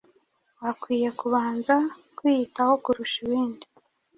wakwiye kubanza kwiyitaho kurusha ibindi,